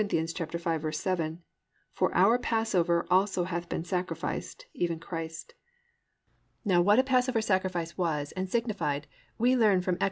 5:7, +"For our passover also hath been sacrificed, even Christ."+ Now what a passover sacrifice was and signified we learn from Ex.